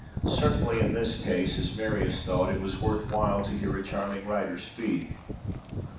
Certainly in this case, as Marius thought, it was worth while to hear a charming writer speak.